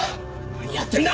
何やってんだ！